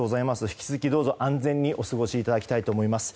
引き続きどうぞ安全にお過ごしいただきたいと思います。